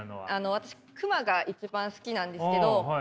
私クマが一番好きなんですけどへえ！